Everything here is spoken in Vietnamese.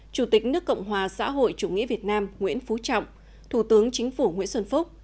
chủ tịch nước cộng hòa xã hội chủ nghĩa việt nam nguyễn phú trọng thủ tướng chính phủ nguyễn xuân phúc